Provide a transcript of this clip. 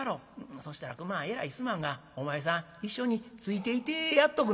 そしたら熊えらいすまんがお前さん一緒についていてやっとくなされ」。